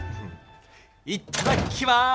いっただきます！